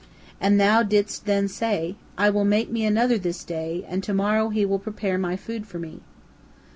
And thou didst then say, 'I will make me another this day, and to morrow he will prepare my food for me.'